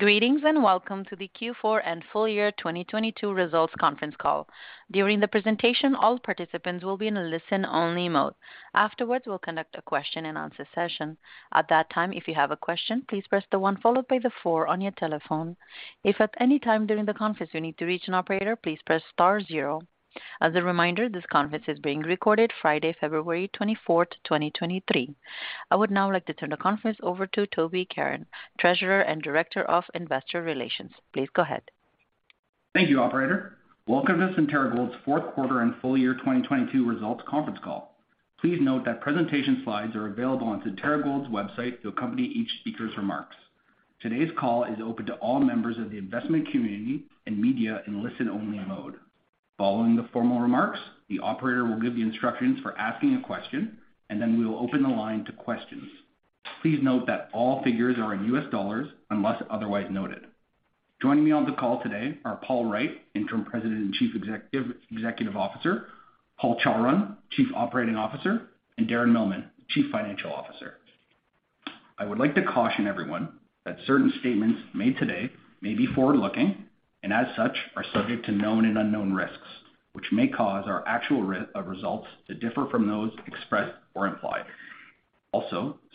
Greetings, welcome to the Q4 and full year 2022 results conference call. During the presentation, all participants will be in a listen-only mode. Afterwards, we'll conduct a question and answer session. At that time, if you have a question, please press the one followed by the four on your telephone. If at any time during the conference you need to reach an operator, please press star zero. As a reminder, this conference is being recorded Friday, February 24, 2023. I would now like to turn the conference over to Toby Caron, Treasurer and Director of Investor Relations. Please go ahead. Thank you, operator. Welcome to Centerra Gold's fourth quarter and full year 2022 results conference call. Please note that presentation slides are available on Centerra Gold's website to accompany each speaker's remarks. Today's call is open to all members of the investment community and media in listen-only mode. Following the formal remarks, the operator will give the instructions for asking a question, we will open the line to questions. Please note that all figures are in US dollars unless otherwise noted. Joining me on the call today are Paul Wright, Interim President and Chief Executive Officer, Paul Chawrun, Chief Operating Officer, and Darren Millman, Chief Financial Officer. I would like to caution everyone that certain statements made today may be forward-looking, and as such, are subject to known and unknown risks, which may cause our actual results to differ from those expressed or implied.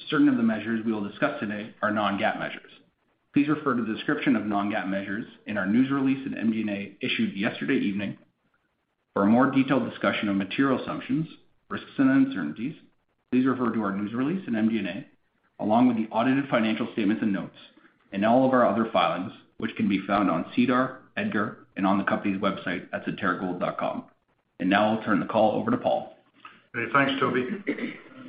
Certain of the measures we will discuss today are non-GAAP measures. Please refer to the description of non-GAAP measures in our news release and MD&A issued yesterday evening. For a more detailed discussion of material assumptions, risks and uncertainties, please refer to our news release and MD&A, along with the audited financial statements and notes, and all of our other filings, which can be found on SEDAR, EDGAR, and on the company's website at centerragold.com. Now I'll turn the call over to Paul. Okay, thanks, Toby.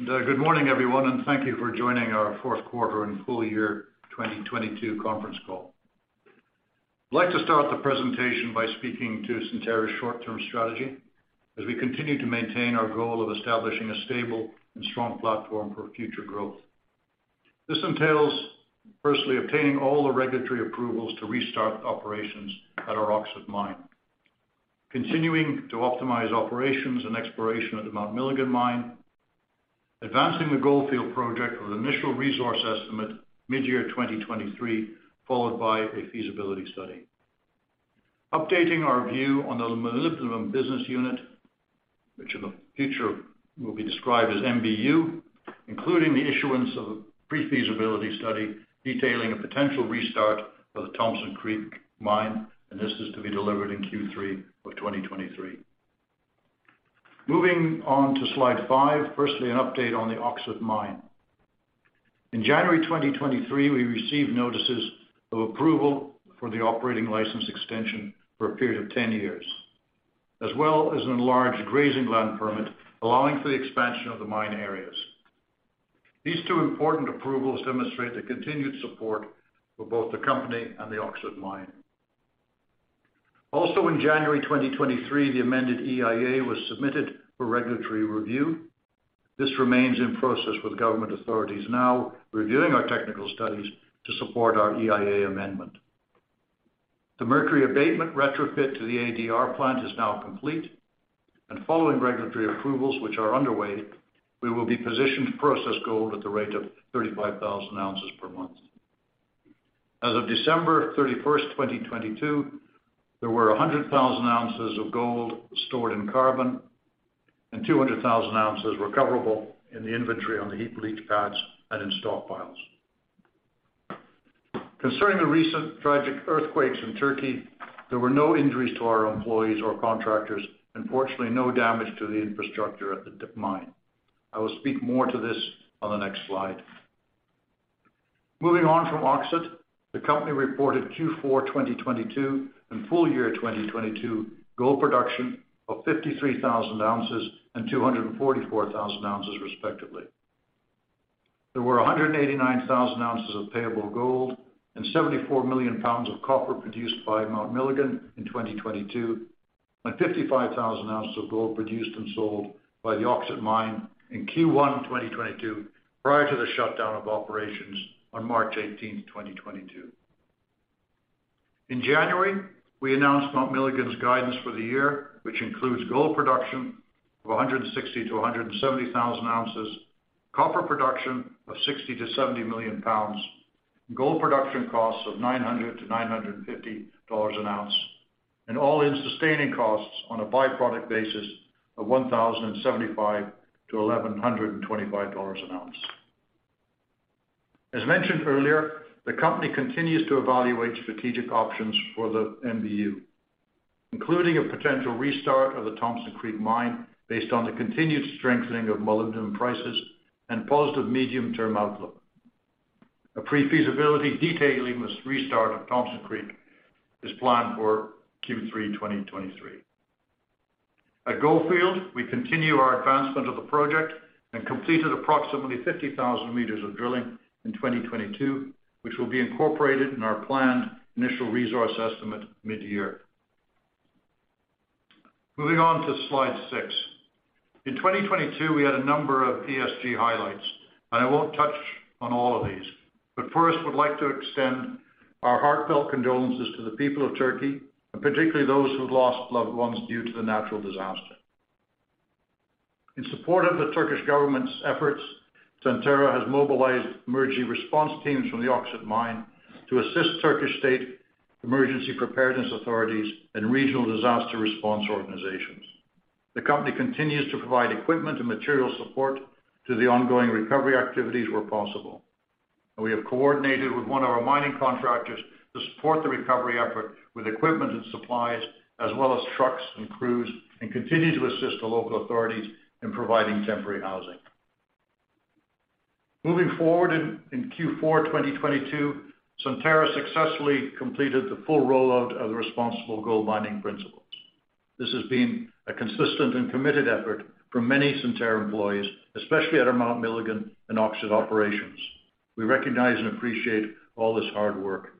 Good morning, everyone, and thank you for joining our fourth quarter and full year 2022 conference call. I'd like to start the presentation by speaking to Centerra's short-term strategy as we continue to maintain our goal of establishing a stable and strong platform for future growth. This entails firstly obtaining all the regulatory approvals to restart operations at our Öksüt Mine, continuing to optimize operations and exploration at the Mount Milligan Mine, advancing the Goldfield Project with initial resource estimate mid-year 2023, followed by a feasibility study. Updating our view on the Molybdenum Business Unit, which in the future will be described as MBU, including the issuance of a pre-feasibility study detailing a potential restart of the Thompson Creek Mine, and this is to be delivered in Q3 of 2023. Moving on to slide five. An update on the Öksüt Mine. In January 2023, we received notices of approval for the operating license extension for a period of 10 years, as well as an enlarged grazing land permit allowing for the expansion of the mine areas. These two important approvals demonstrate the continued support for both the company and the Öksüt Mine. In January 2023, the amended EIA was submitted for regulatory review. This remains in process with government authorities now reviewing our technical studies to support our EIA amendment. The mercury abatement retrofit to the ADR plant is now complete, and following regulatory approvals which are underway, we will be positioned to process gold at the rate of 35,000 oz per month. As of December 31, 2022, there were 100,000 oz of gold stored in carbon and 200,000 oz recoverable in the inventory on the heap leach pads and in stock piles. Concerning the recent tragic earthquakes in Turkey, there were no injuries to our employees or contractors, and fortunately, no damage to the infrastructure at the mine. I will speak more to this on the next slide. Moving on from Öksüt, the company reported Q4 2022 and full year 2022 gold production of 53,000 oz and 244,000 oz respectively. There were 189,000 oz of payable gold and 74 million lbs of copper produced by Mount Milligan in 2022, and 55,000 oz of gold produced and sold by the Öksüt Mine in Q1 2022, prior to the shutdown of operations on March 18th, 2022. In January, we announced Mount Milligan's guidance for the year, which includes gold production of 160,000 oz-170,000 oz, copper production of 60 million-70 million lbs, gold production costs of $900-$950 an oz, and all-in sustaining costs on a by-product basis of $1,075-$1,125 an ounce. As mentioned earlier, the company continues to evaluate strategic options for the MBU, including a potential restart of the Thompson Creek Mine based on the continued strengthening of molybdenum prices and positive medium-term outlook. A pre-feasibility detailing this restart of Thompson Creek is planned for Q3 2023. At Goldfield, we continue our advancement of the project and completed approximately 50,000 meters of drilling in 2022, which will be incorporated in our planned initial resource estimate mid-year. Moving on to slide six. In 2022, we had a number of ESG highlights, and I won't touch on all of these, but first we'd like to extend our heartfelt condolences to the people of Turkey, and particularly those who've lost loved ones due to the natural disaster. In support of the Turkish government's efforts, Centerra has mobilized emergency response teams from the Öksüt Mine to assist Turkish state emergency preparedness authorities and regional disaster response organizations. The company continues to provide equipment and material support to the ongoing recovery activities where possible. We have coordinated with one of our mining contractors to support the recovery effort with equipment and supplies, as well as trucks and crews, and continue to assist the local authorities in providing temporary housing. Moving forward in Q4 2022, Centerra successfully completed the full rollout of the Responsible Gold Mining Principles. This has been a consistent and committed effort from many Centerra employees, especially at our Mount Milligan and Öksüt operations. We recognize and appreciate all this hard work.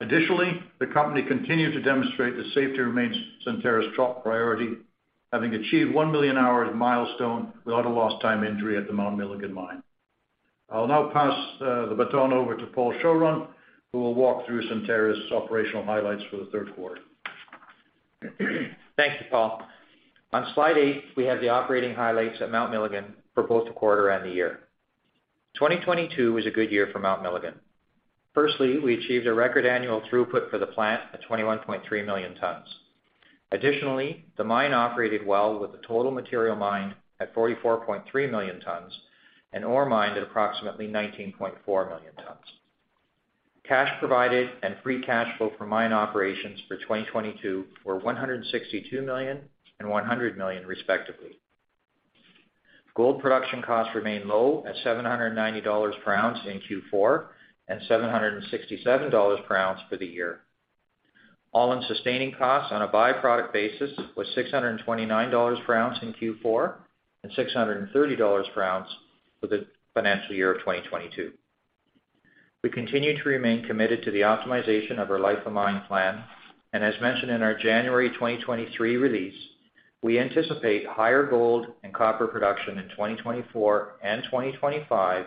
Additionally, the company continued to demonstrate that safety remains Centerra's top priority, having achieved 1 million hours milestone without a lost time injury at the Mount Milligan mine. I'll now pass the baton over to Paul Chawrun, who will walk through Centerra's operational highlights for the third quarter. Thank you, Paul. On slide eight, we have the operating highlights at Mount Milligan for both the quarter and the year. 2022 was a good year for Mount Milligan. Firstly, we achieved a record annual throughput for the plant of 21.3 million tons. Additionally, the mine operated well with the total material mined at 44.3 million tons and ore mined at approximately 19.4 million tons. Cash provided and free cash flow from mine operations for 2022 were $162 million and $100 million, respectively. Gold production costs remained low at $790 per ounce in Q4, and $767 per ounce for the year. All-in sustaining costs on a by-product basis was $629 per ounce in Q4, and $630 per ounce for the financial year of 2022. We continue to remain committed to the optimization of our life of mine plan. As mentioned in our January 2023 release, we anticipate higher gold and copper production in 2024 and 2025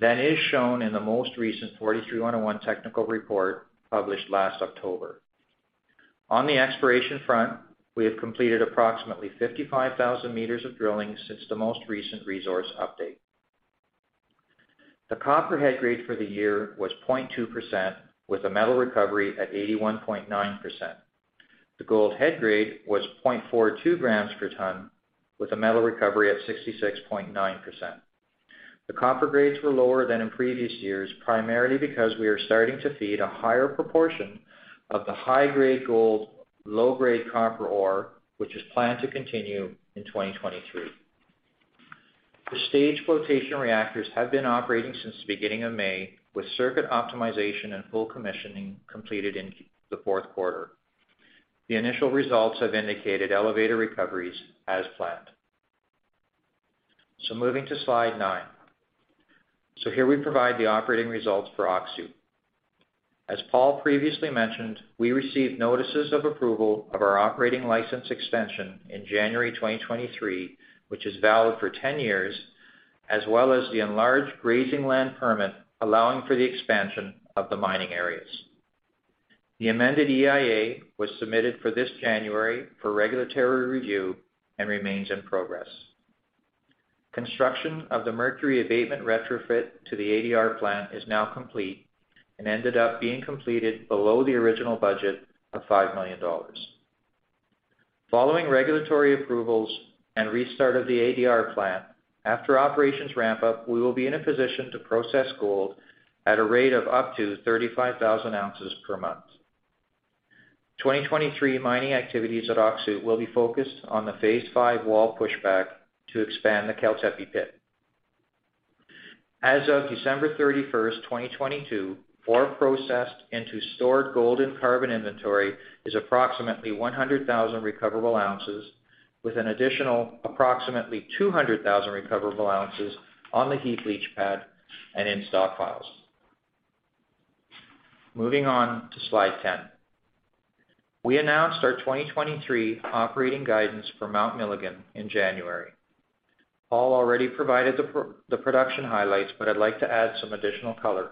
than is shown in the most recent NI 43-101 technical report published last October. On the exploration front, we have completed approximately 55,000 meters of drilling since the most recent resource update. The copper head grade for the year was 0.2%, with a metal recovery at 81.9%. The gold head grade was 0.42 grams per ton, with a metal recovery at 66.9%. The copper grades were lower than in previous years, primarily because we are starting to feed a higher proportion of the high grade gold, low grade copper ore, which is planned to continue in 2023. The staged flotation reactors have been operating since the beginning of May, with circuit optimization and full commissioning completed in the fourth quarter. The initial results have indicated elevated recoveries as planned. Moving to slide nine. Here we provide the operating results for Öksüt. As Paul previously mentioned, we received notices of approval of our operating license extension in January 2023, which is valid for 10 years, as well as the enlarged grazing land permit, allowing for the expansion of the mining areas. The amended EIA was submitted for this January for regulatory review and remains in progress. Construction of the mercury abatement retrofit to the ADR plant is now complete and ended up being completed below the original budget of $5 million. Following regulatory approvals and restart of the ADR plant, after operations ramp up, we will be in a position to process gold at a rate of up to 35,000 oz per month. 2023 mining activities at Öksüt will be focused on the phase V wall push back to expand the Keltepe pit. As of December 31, 2022, ore processed into stored gold and carbon inventory is approximately 100,000 recoverable ounces, with an additional approximately 200,000 recoverable ounces on the heap leach pad and in stockpiles. Moving on to slide 10. We announced our 2023 operating guidance for Mount Milligan in January. Paul already provided the production highlights, but I'd like to add some additional color.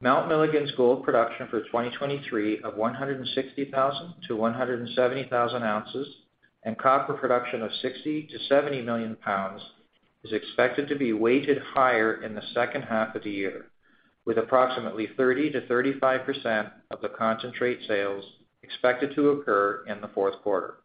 Mount Milligan's gold production for 2023 of 160,000 oz-170,000 oz, and copper production of 60-70 million lbs, is expected to be weighted higher in the second half of the year, with approximately 30%-35% of the concentrate sales expected to occur in the fourth quarter.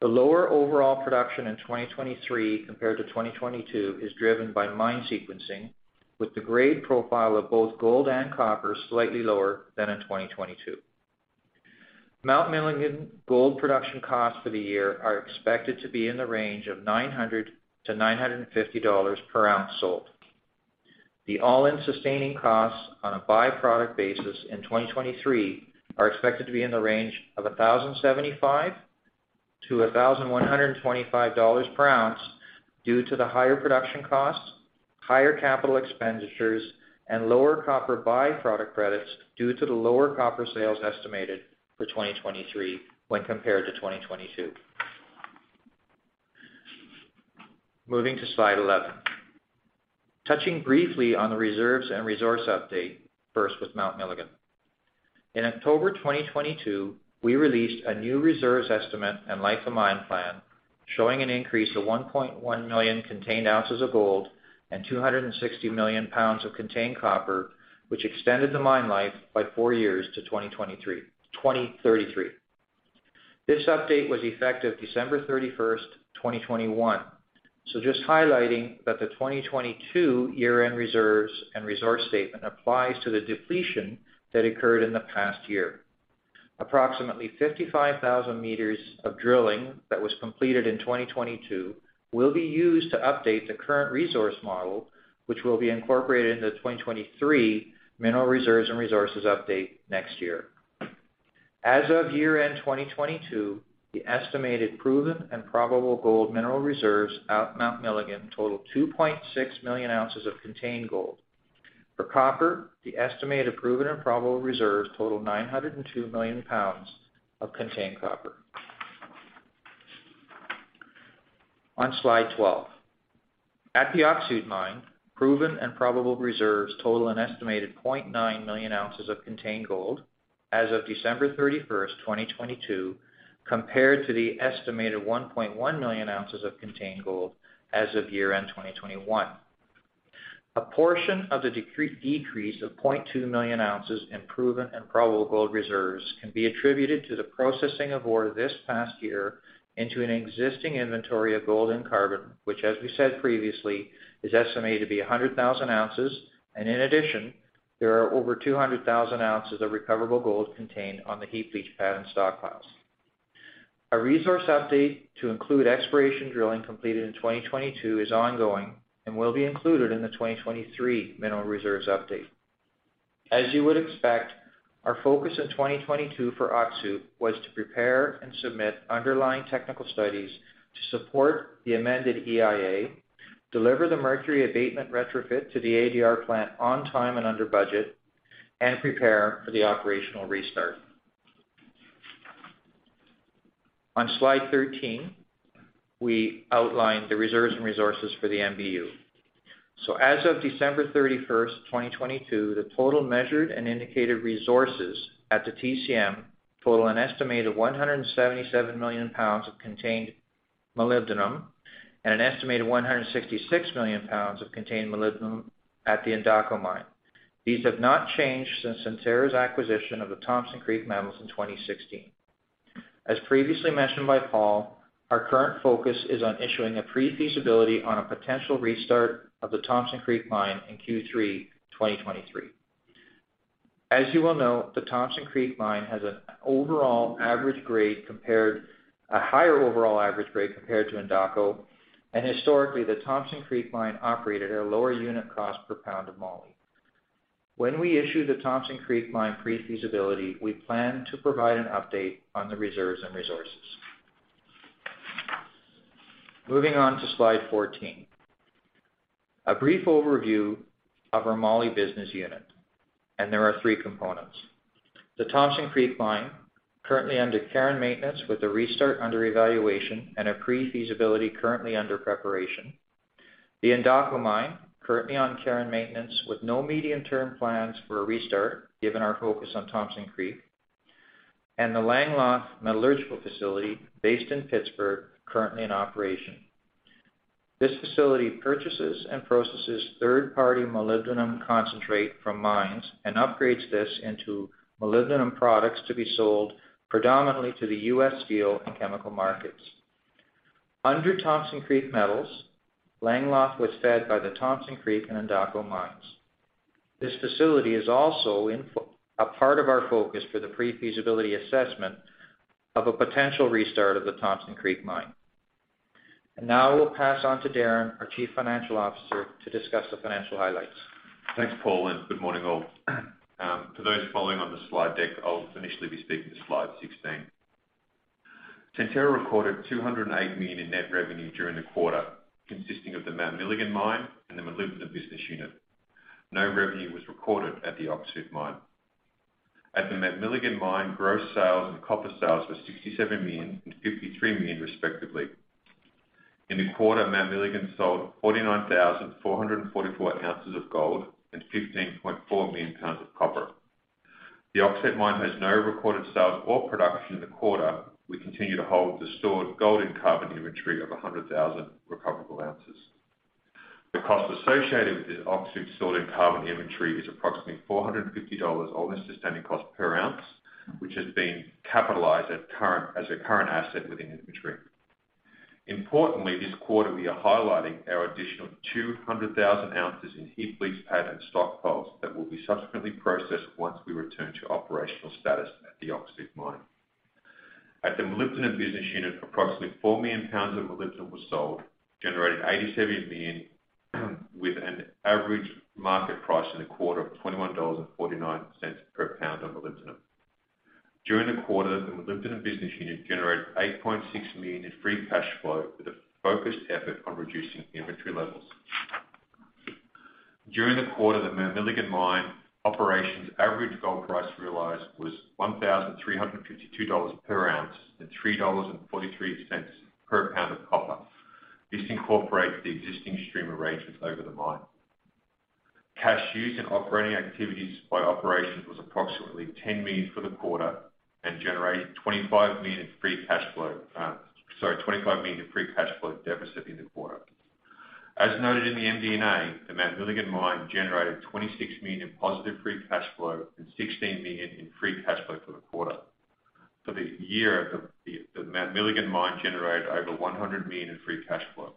The lower overall production in 2023 compared to 2022 is driven by mine sequencing, with the grade profile of both gold and copper slightly lower than in 2022. Mount Milligan gold production costs for the year are expected to be in the range of $900-$950 per ounce sold. The all-in sustaining costs on a by-product basis in 2023 are expected to be in the range of $1,075-$1,125 per ounce due to the higher production costs, higher capital expenditures, and lower copper byproduct credits due to the lower copper sales estimated for 2023 when compared to 2022. Moving to slide 11. Touching briefly on the reserves and resource update, first with Mount Milligan. In October 2022, we released a new reserves estimate and life of mine plan showing an increase of 1.1 million contained ounces of gold and 260 million lbs of contained copper, which extended the mine life by four years to 2033. This update was effective December 31, 2021. Just highlighting that the 2022 year-end reserves and resource statement applies to the depletion that occurred in the past year. Approximately 55,000 meters of drilling that was completed in 2022 will be used to update the current resource model, which will be incorporated into the 2023 mineral reserves and resources update next year. As of year-end 2022, the estimated proven and probable gold mineral reserves at Mount Milligan total 2.6 million oz of contained gold. For copper, the estimated proven and probable reserves total 902 million lbs of contained copper. On slide 12. At the Öksüt Mine, proven and probable reserves total an estimated 0.9 million oz of contained gold as of December 31st, 2022, compared to the estimated 1.1 million oz of contained gold as of year-end 2021. A portion of the decrease of 0.2 million oz in proven and probable gold reserves can be attributed to the processing of ore this past year into an existing inventory of gold and carbon, which as we said previously, is estimated to be 100,000 oz. In addition, there are over 200,000 oz of recoverable gold contained on the heap leach pad and stockpiles. A resource update to include exploration drilling completed in 2022 is ongoing and will be included in the 2023 mineral reserves update. As you would expect, our focus in 2022 for Öksüt was to prepare and submit underlying technical studies to support the amended EIA, deliver the mercury abatement retrofit to the ADR plant on time and under budget, and prepare for the operational restart. On slide 13, we outline the reserves and resources for the MBU. As of December 31, 2022, the total measured and indicated resources at the TCM total an estimated 177 million lbs of contained molybdenum and an estimated 166 million lbs of contained molybdenum at the Endako Mine. These have not changed since Centerra's acquisition of the Thompson Creek Metals in 2016. As previously mentioned by Paul, our current focus is on issuing a pre-feasibility on a potential restart of the Thompson Creek Mine in Q3 2023. As you all know, the Thompson Creek Mine has an overall average grade a higher overall average grade compared to Endako, and historically, the Thompson Creek Mine operated at a lower unit cost per lbs of moly. When we issue the Thompson Creek Mine pre-feasibility, we plan to provide an update on the reserves and resources. Moving on to slide 14. A brief overview of our Moly Business Unit. There are three components. The Thompson Creek Mine, currently under care and maintenance with a restart under evaluation and a pre-feasibility currently under preparation. The Endako Mine, currently on care and maintenance with no medium-term plans for a restart, given our focus on Thompson Creek. The Langeloth Metallurgical Facility based in Pittsburgh, currently in operation. This facility purchases and processes third-party molybdenum concentrate from mines and upgrades this into molybdenum products to be sold predominantly to the U.S. steel and chemical markets. Under Thompson Creek Metals, Langeloth was fed by the Thompson Creek and Endako Mine. This facility is also a part of our focus for the pre-feasibility assessment of a potential restart of the Thompson Creek Mine. I will pass on to Darren, our Chief Financial Officer, to discuss the financial highlights. Thanks, Paul, and good morning, all. For those following on the slide deck, I'll initially be speaking to slide 16. Centerra recorded $208 million in net revenue during the quarter, consisting of the Mount Milligan mine and the Molybdenum Business Unit. No revenue was recorded at the Öksüt Mine. At the Mount Milligan mine, gross sales and copper sales were $67 million and $53 million respectively. In the quarter, Mount Milligan sold 49,444 oz of gold and 15.4 million lbs of copper. The Öksüt Mine has no recorded sales or production in the quarter. We continue to hold the stored gold and carbon inventory of 100,000 recoverable ounces. The cost associated with the Öksüt stored carbon inventory is approximately $450 all-in sustaining costs per ounce, which has been capitalized as a current asset within the inventory. Importantly, this quarter, we are highlighting our additional 200,000 oz in heap leach pad and stockpiles that will be subsequently processed once we return to operational status at the Öksüt Mine. At the Molybdenum Business Unit, approximately 4 million lbs of molybdenum was sold, generating $87 million with an average market price in the quarter of $21.49 per lbs of molybdenum. During the quarter, the Molybdenum Business Unit generated $8.6 million in free cash flow with a focused effort on reducing inventory levels. During the quarter, the Mount Milligan mine operations average gold price realized was $1,352 per ounce and $3.43 per lbs of copper. This incorporates the existing stream arrangements over the mine. Cash used in operating activities by operations was approximately $10 million for the quarter and generated $25 million free cash flow, sorry, $25 million free cash flow deficit in the quarter. As noted in the MD&A, the Mount Milligan mine generated $26 million positive free cash flow and $16 million in free cash flow for the quarter. For the year, the Mount Milligan mine generated over $100 million in free cash flow.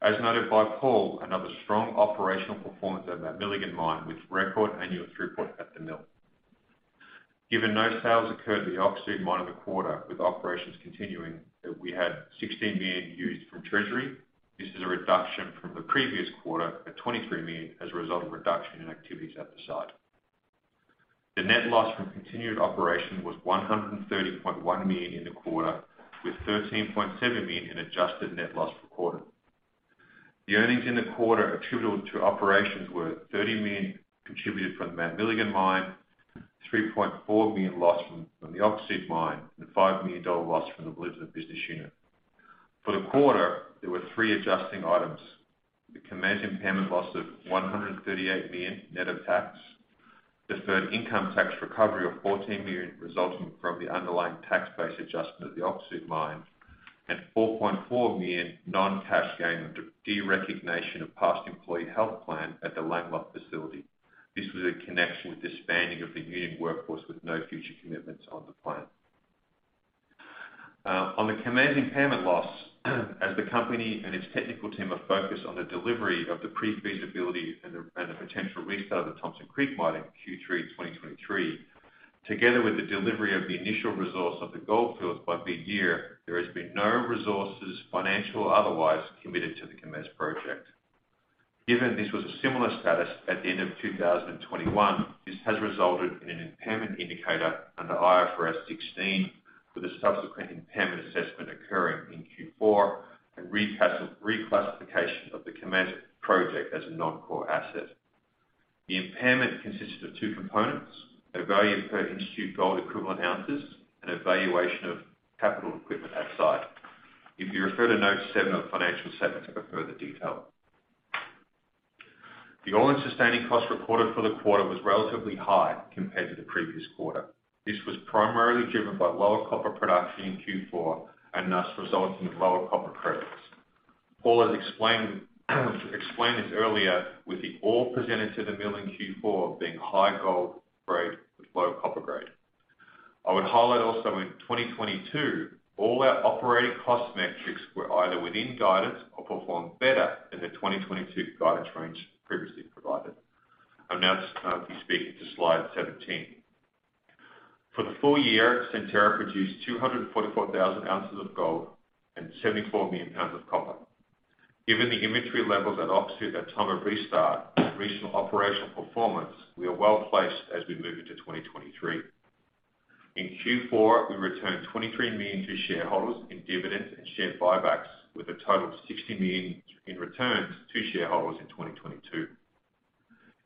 As noted by Paul, another strong operational performance at Mount Milligan mine, with record annual throughput at the mill. Given no sales occurred at the Öksüt Mine in the quarter, with operations continuing, that we had $16 million used from treasury. This is a reduction from the previous quarter of $23 million as a result of reduction in activities at the site. The net loss from continued operation was $130.1 million in the quarter, with $13.7 million in adjusted net loss for quarter. The earnings in the quarter attributable to operations were $30 million contributed from the Mount Milligan mine, $3.4 million loss from the Öksüt Mine, and $5 million loss from the Molybdenum Business Unit. For the quarter, there were three adjusting items. The Kemess impairment loss of $138 million net of tax, deferred income tax recovery of $14 million resulting from the underlying tax base adjustment of the Öksüt Mine, and $4.4 million non-cash gain de-recognition of past employee health plan at the Langeloth Facility. This was in connection with the spanning of the union workforce with no future commitments on the plan. On the Kemess impairment loss, as the company and its technical team are focused on the delivery of the pre-feasibility and the potential restart of the Thompson Creek Mine in Q3 of 2023, together with the delivery of the initial resource of the Goldfield Project by mid-year, there has been no resources, financial or otherwise, committed to the Kemess project. Given this was a similar status at the end of 2021, this has resulted in an impairment indicator under IFRS 16, with a subsequent impairment assessment occurring in Q4, and reclassification of the Kemess project as a non-core asset. The impairment consisted of two components, a value per institute gold equivalent ounces and a valuation of capital equipment at site. If you refer to note seven of financial statement for further detail. The all-in sustaining cost reported for the quarter was relatively high compared to the previous quarter. This was primarily driven by lower copper production in Q4 and thus resulting in lower copper credits. Paul has explained this earlier with the ore presented to the mill in Q4 being high gold grade with low copper grade. I would highlight also in 2022, all our operating cost metrics were either within guidance or performed better than the 2022 guidance range previously provided. I'm now speaking to slide 17. For the full year, Centerra produced 244,000 oz of gold and 74 million lbs of copper. Given the inventory levels at Öksüt Mine at time of restart and regional operational performance, we are well-placed as we move into 2023. In Q4, we returned $23 million to shareholders in dividends and share buybacks, with a total of $60 million in returns to shareholders in 2022.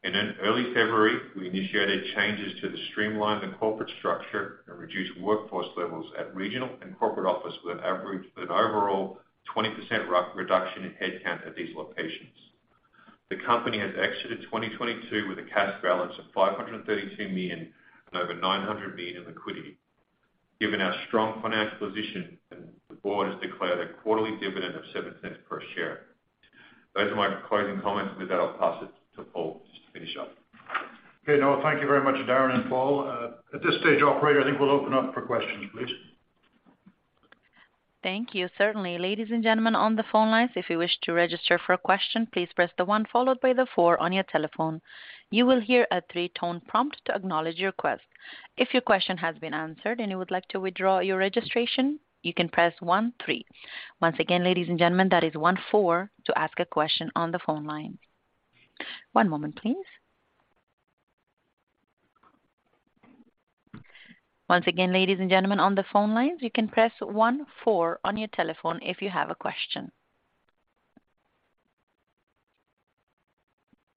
In early February, we initiated changes to the streamline the corporate structure and reduce workforce levels at regional and corporate office, with an average, with an overall 20% re-reduction in head count at these locations. The company has exited 2022 with a cash balance of $532 million and over $900 million in liquidity. Given our strong financial position, the board has declared a quarterly dividend of $0.07 per share. Those are my closing comments. With that, I'll pass it to Paul just to finish up. Okay, Noah, thank you very much, Darren and Paul. At this stage, operator, I think we'll open up for questions, please. Thank you. Certainly. Ladies and gentlemen, on the phone lines, if you wish to register for a question, please press the one followed by the four on your telephone. You will hear a 3-tone prompt to acknowledge your request. If your question has been answered and you would like to withdraw your registration, you can press one three. Once again, ladies and gentlemen, that is one four to ask a question on the phone line. One moment, please. Once again, ladies and gentlemen on the phone lines, you can press one four on your telephone if you have a question.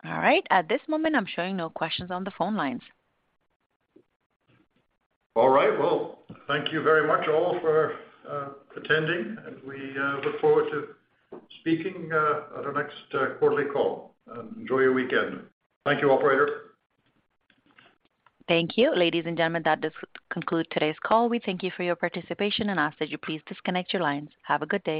All right. At this moment, I'm showing no questions on the phone lines. All right. Well, thank you very much, all for attending. We look forward to speaking on our next quarterly call. Enjoy your weekend. Thank you, operator. Thank you. Ladies and gentlemen, that does conclude today's call. We thank you for your participation and ask that you please disconnect your lines. Have a good day.